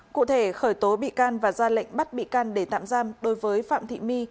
cụ thể khởi tố bị can và ra lệnh bắt bị can để tạm giam đối với phạm thị my